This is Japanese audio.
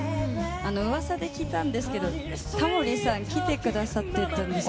噂で聞いたんですけどタモリさんが来てくださっていたんですか？